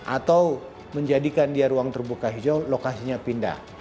atau menjadikan dia ruang terbuka hijau lokasinya pindah